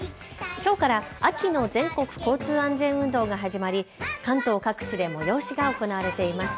きょうから秋の全国交通安全運動が始まり関東各地で催しが行われています。